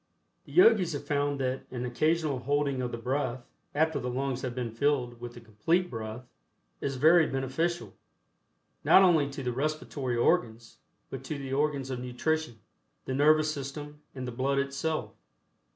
The Yogis have found that an occasional holding of the breath, after the lungs have been filled with the Complete Breath, is very beneficial, not only to the respiratory organs but to the organs of nutrition, the nervous system and the blood itself.